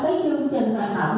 trong chương trình hoạt động